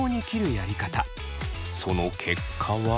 その結果は。